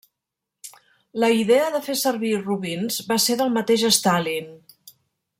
La idea de fer servir robins va ser del mateix Stalin.